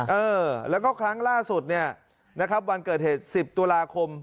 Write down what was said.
เออแล้วก็ครั้งล่าสุดเนี่ยนะครับวันเกิดเหตุ๑๐ตุลาคม